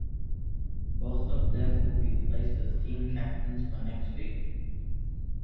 Both of them will be placed as team captains for next week.